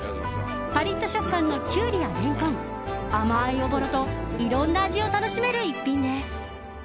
パリッと食感のキュウリやレンコン甘いおぼろといろんな味を楽しめる一品です。